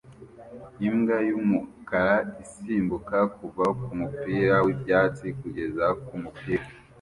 Imbwa yumukara isimbuka kuva kumupira wibyatsi kugeza kumupira